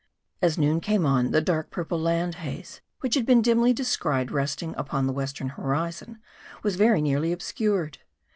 As noon came on, the dark purple land haze, which had been dimly descried resting upon the western horizon, was very nearly obscured.